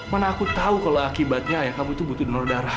mana aku tahu kalau akibatnya ayah kamu itu butuh donor darah